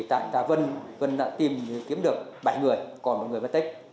tại trà vân vân đã tìm kiếm được bảy người còn một người mất tích